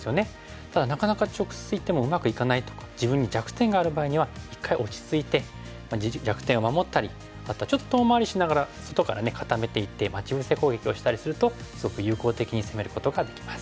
ただなかなか直接いってもうまくいかないとか自分に弱点がある場合には一回落ち着いて弱点を守ったりまたちょっと遠回りしながら外から固めていって待ち伏せ攻撃をしたりするとすごく有効的に攻めることができます。